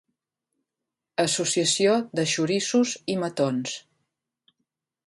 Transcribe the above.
Associació de xoriços i matons.